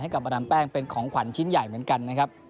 กับมาดามแป้งเป็นของขวัญชิ้นใหญ่เหมือนกันนะครับ